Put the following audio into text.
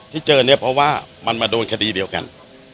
ที่เจอเนี่ยเพราะว่ามันมาโดนคดีเดียวกัน